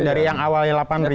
dari yang awalnya delapan